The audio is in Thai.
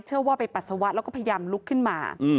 เชื่อว่าไปปัสสาวะแล้วก็พยายามลุกขึ้นมา